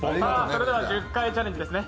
それでは１０回チャレンジですね。